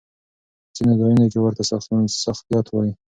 په ځينو ځايونو کې ورته ساختيات وايي.